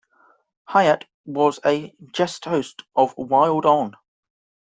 Hiatt was a guest host of Wild On!